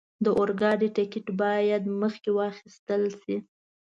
د اورګاډي ټکټ باید مخکې واخستل شي.